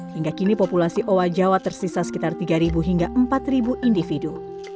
hingga kini populasi owa jawa tersisa sekitar tiga hingga empat individu